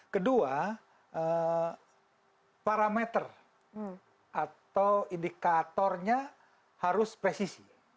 kedua parameter atau indikatornya harus presisi